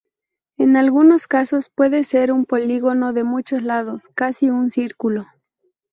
En algunos casos puede ser un polígono de muchos lados, casi un círculo.